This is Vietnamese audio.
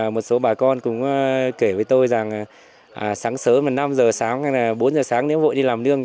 một số bà con cũng kể với tôi rằng sáng sớm năm h sáng bốn h sáng nếu vội đi làm lương